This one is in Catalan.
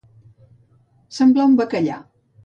Semblar un bacallà.